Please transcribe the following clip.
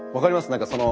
何かその。